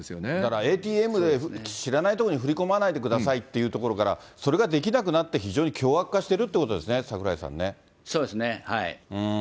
ＡＴＭで知らないところに振り込まないでくださいというところから、それができなくなって、非常に凶悪化してるってことですそうですね。